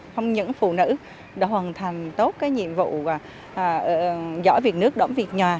không những phụ nữ đã hoàn thành tốt nhiệm vụ giỏi việc nước đóng việc nhà